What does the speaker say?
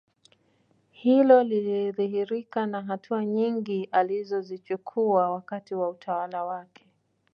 Hilo lilidhihirika na hatua nyingi alizozichukua wakati wa utawala wake